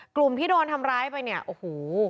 กลุ่มที่โดนทำร้ายไปเนี่ยโอ้โห